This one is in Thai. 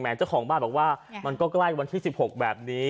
แหม่งเจ้าของบ้านบอกว่ามันก็ใกล้วันที่สิบหกแบบนี้